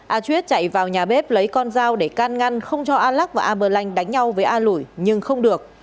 a chuyết chạy vào nhà bếp lấy con dao để can ngăn không cho a lắc và a bơ lanh đánh nhau với a lũi nhưng không được